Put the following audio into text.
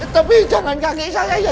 tapi jangan kaget saya ya